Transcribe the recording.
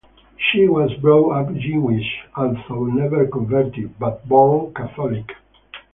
She was brought up Jewish (although never converted) but born Catholic.